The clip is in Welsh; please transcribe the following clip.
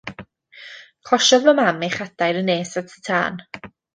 Closiodd fy mam ei chadair yn nes at y tân.